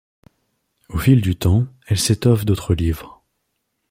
Au fil du temps, elle s'étoffe d'autres livres.